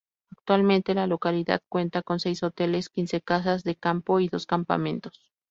Actualmente la localidad cuenta con seis hoteles, quince casas de campo y dos campamentos.